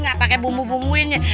gak pake bumbu bumbuinnya